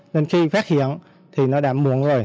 nên khi phát hiện thì nó đã muộn rồi